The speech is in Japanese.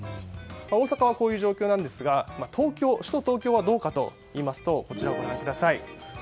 大阪はこういう状況なんですが首都・東京はどうかといいますとこちら、ご覧ください。